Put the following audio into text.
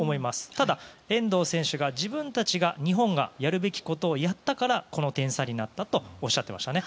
ただ、遠藤選手が自分たちが、日本がやるべきことをやったからこの点差になったとおっしゃっていましたね。